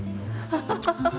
ハハハハ。